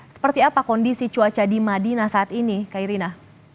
seperti apa kondisi cuaca di madinah saat ini kairina